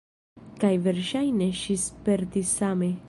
Kaj verŝajne ŝi spertis same.